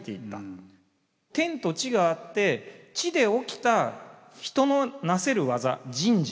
天と地があって地で起きた人のなせる業人事。